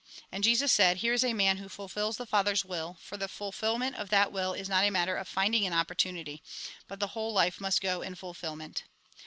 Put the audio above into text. And Jesus said :" Here is a man who fulfils the Father's will ; for the fulfilment of that will is not a matter of finding an opportunity, but the whole life must go in fulfilment."